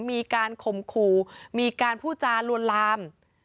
มีการคมคูมีการผู้จานลวนลาม